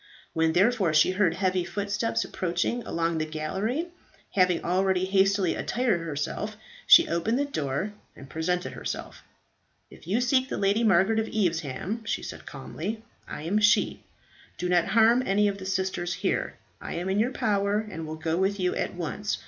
When, therefore, she heard heavy footsteps approaching along the gallery having already hastily attired herself she opened the door and presented herself. "If you seek the Lady Margaret of Evesham," she said calmly, "I am she. Do not harm any of the sisters here. I am in your power, and will go with you at once.